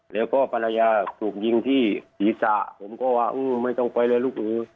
แล้วก็ภรรยาถูกยิงที่ศีรษะผมก็ว่าไม่ต้องไปเลยลูกหนู